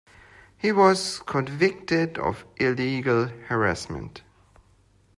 He was convicted of illegal harassment.